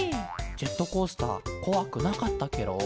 ジェットコースターこわくなかったケロ？